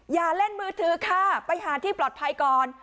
อย่าเล่นมือถือค่ะไปหาที่ปลอดภัยก่อน